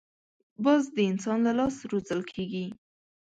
باز د انسان له لاس روزل کېږي